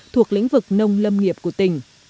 thuộc lĩnh vực nông lâm nghiệp của tỉnh